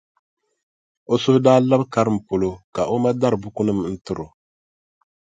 O suhu daa labi karim polo ka o ma dari bukunima n-tiri o.